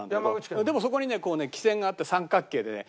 でもそこにねこうね汽船があって三角形でね